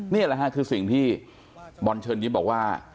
นี่แหละค่ะคือสิ่งที่บอลเชิญยิ้มบอกว่า